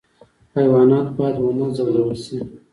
حیوانات باید ونه ځورول شي